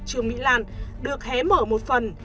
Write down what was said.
trương mỹ lan được hé mở một phần